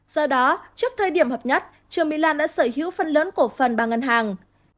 do đó trước thời điểm hợp nhất trương mỹ lan đã sở hữu phần lớn cổ phần ba ngân hàng